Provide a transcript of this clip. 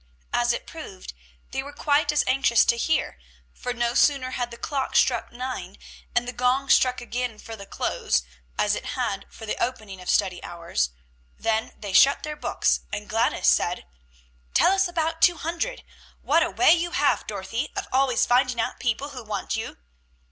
As it proved, they were quite as anxious to hear; for no sooner had the clock struck nine, and the gong struck again for the close, as it had for the opening of study hours, than they shut their books, and Gladys said, "Tell us about Two Hundred? What a way you have, Dorothy, of always finding out people who want you!"